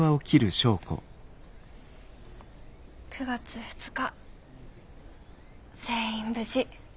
９月２日全員無事。